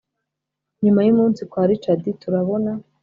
nyuma y’umunsi kwa richard turabona